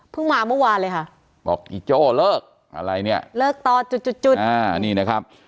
มาเมื่อวานเลยค่ะบอกอีโจ้เลิกอะไรเนี่ยเลิกต่อจุดจุดจุดอ่านี่นะครับ